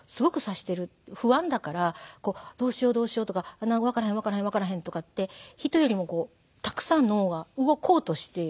「不安だからどうしようどうしようとかわからへんわからへんわからへんとかって人よりもたくさん脳が動こうとしている」。